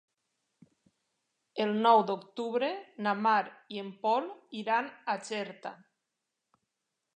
El nou d'octubre na Mar i en Pol iran a Xerta.